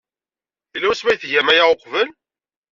Yella wasmi ay tgam aya uqbel?